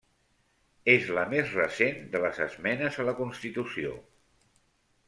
És la més recent de les esmenes a la constitució.